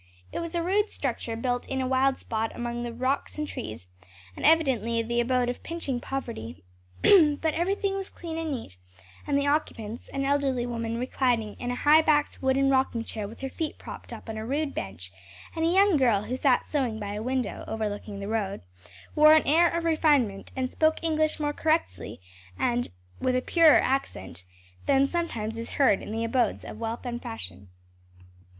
It was a rude structure built in a wild spot among the rocks and trees, and evidently the abode of pinching poverty; but everything was clean and neat, and the occupants, an elderly woman reclining in a high backed wooden rocking chair with her feet propped up on a rude bench, and a young girl who sat sewing by a window overlooking the road, wore an air of refinement, and spoke English more correctly and with a purer accent than sometimes is heard in the abodes of wealth and fashion.